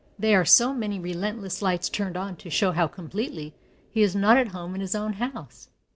They are so many relentless lights turned on to show how completely he is not at home in his own house.